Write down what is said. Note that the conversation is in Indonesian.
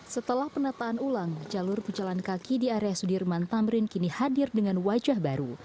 setelah penataan ulang jalur pejalan kaki di area sudirman tamrin kini hadir dengan wajah baru